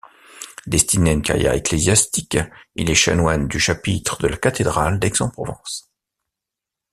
Destiné à une carrière ecclésiastique, il est chanoine du chapitre de la cathédrale d'Aix-en-Provence.